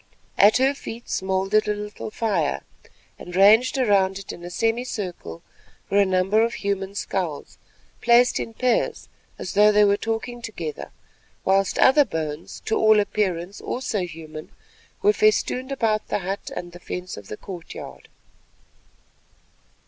At her feet smouldered a little fire, and ranged around it in a semi circle were a number of human skulls, placed in pairs as though they were talking together, whilst other bones, to all appearance also human, were festooned about the hut and the fence of the courtyard.